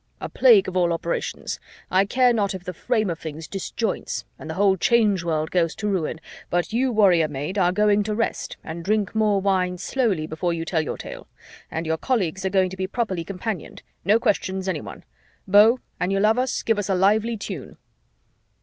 A plague of all operations! I care not if the frame of things disjoints and the whole Change World goes to ruin, but you, warrior maid, are going to rest and drink more wine slowly before you tell your tale and your colleagues are going to be properly companioned. No questions, anyone. Beau, and you love us, give us a lively tune."